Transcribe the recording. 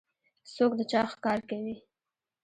څوک د چا ښکار کوي؟